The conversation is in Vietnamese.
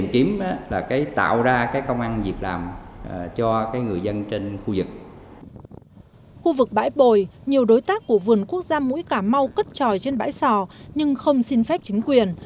khu vực bãi bồi nhiều đối tác của vườn quốc gia mũi cà mau cất tròi trên bãi sò nhưng không xin phép chính quyền